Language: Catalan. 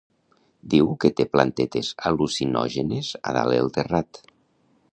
Diu que té plantetes al·lucinògenes a dalt el terrat